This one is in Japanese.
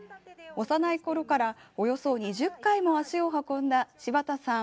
幼いころからおよそ２０回も足を運んだ柴田さん